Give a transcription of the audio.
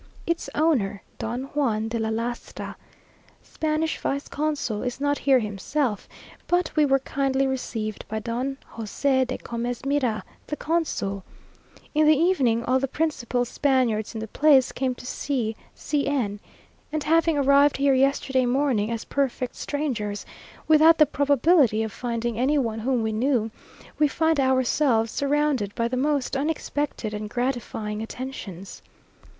Its owner, Don Juan de la Lastra, Spanish vice consul, is not here himself, but we were kindly received by Don Josd de Comez Mira, the consul. In the evening all the principal Spaniards in the place came to see C n; and having arrived here yesterday morning as perfect strangers, without the probability of finding any one whom we knew, we find ourselves surrounded by the most unexpected and gratifying attentions.